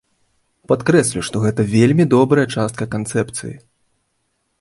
Падкрэслю, што гэта вельмі добрая частка канцэпцыі.